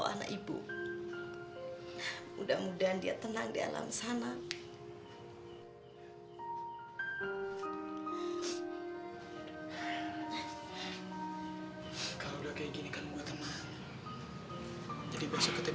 karena gak ada yang bisa gantiin gito di hati aku